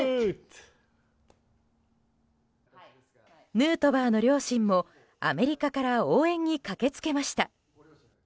ヌートバーの両親もアメリカから応援に駆け付けました。